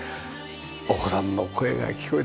お子さんの声が聞こえてきました。